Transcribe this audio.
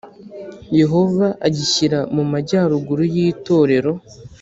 Yehova agishyira mu majyaruguru y’itorero.